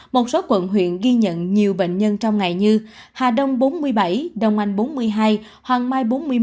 một số quận huyện ghi nhận nhiều bệnh nhân trong ngày như hà đông bốn mươi bảy đông anh bốn mươi hai hoàng mai bốn mươi một